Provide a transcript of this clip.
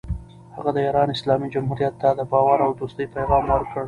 هغه د ایران اسلامي جمهوریت ته د باور او دوستۍ پیغام ورکړ.